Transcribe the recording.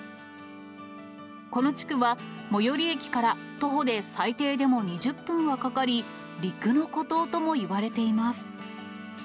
この地区は最寄駅から徒歩で最低でも２０分はかかり、陸の孤島ともいわれています。